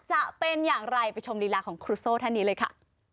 จะเป็นอย่างไรไปชมลีลาของครูโซ่ท่านนี้เลยค่ะ